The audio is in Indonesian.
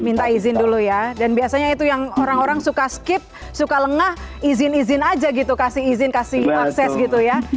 minta izin dulu ya dan biasanya itu yang orang orang suka skip suka lengah izin izin aja gitu kasih izin kasih akses gitu ya